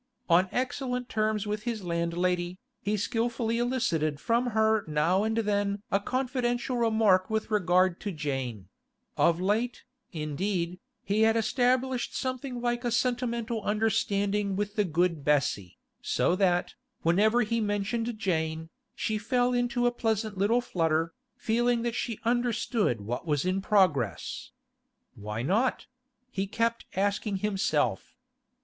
On excellent terms with his landlady, he skilfully elicited from her now and then a confidential remark with regard to Jane; of late, indeed, he had established something like a sentimental understanding with the good Bessie, so that, whenever he mentioned Jane, she fell into a pleasant little flutter, feeling that she understood what was in progress. ... Why not?—he kept asking himself.